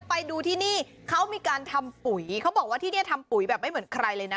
ไปดูที่นี่เขามีการทำปุ๋ยเขาบอกว่าที่นี่ทำปุ๋ยแบบไม่เหมือนใครเลยนะ